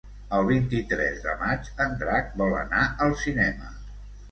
El vint-i-tres de maig en Drac vol anar al cinema.